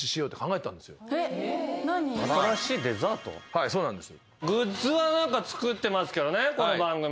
はいそうなんです。